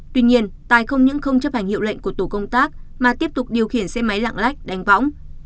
tuy nhiên tài không những không chấp hành hiệu lệnh của tổ công tác mà tiếp tục điều khiển xe máy lạng lách đánh võng